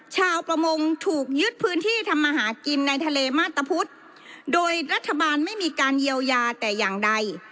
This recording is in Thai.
ชาวประมงถูกยึดพื้นที่ทำมาหากินในทะเลมาตรพุทธโดยรัฐบาลไม่มีการเยียวยาแต่อย่างใด